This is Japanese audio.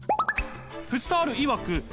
フッサールいわく